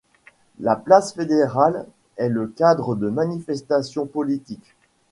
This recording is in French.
La place Fédérale est le cadre de manifestations politiques.